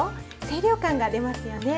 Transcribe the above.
清涼感が出ますよね。